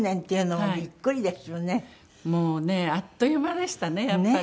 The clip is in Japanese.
もうねあっという間でしたねやっぱり。